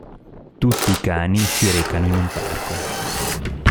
Tutti i cani si recano in un parco.